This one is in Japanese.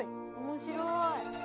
面白い。